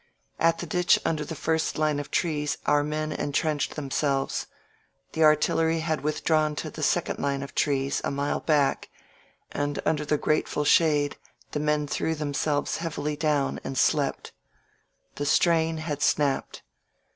At the ditch under the first line of trees our men en trenched themselves; the artillery had withdrawn to' the second line of trees — a mile back; and under the grateful shade the men threw themselves heavily down and slept. The strain had snapped.